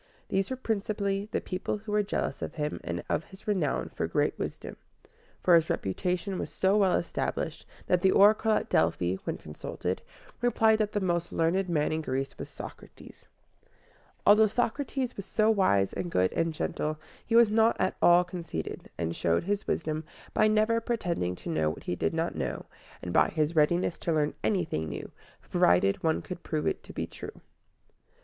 These were principally the people who were jealous of him and of his renown for great wisdom; for his reputation was so well established, that the oracle at Delphi, when consulted, replied that the most learned man in Greece was Socrates. Although Socrates was so wise and good and gentle, he was not at all conceited, and showed his wisdom by never pretending to know what he did not know, and by his readiness to learn anything new, provided one could prove it to be true.